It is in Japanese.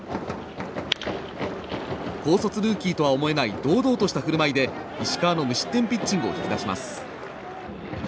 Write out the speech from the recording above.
高卒ルーキーとは思えない堂々とした振る舞いで石川の無失点ピッチングを引き出します。